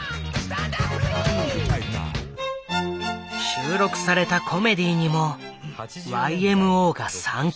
収録されたコメディーにもＹＭＯが参加。